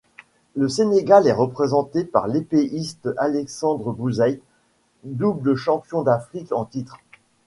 Le Sénégal est représenté par l'épéiste Alexandre Bouzaid, double champion d'Afrique en titre.